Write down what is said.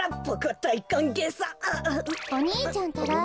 お兄ちゃんたら！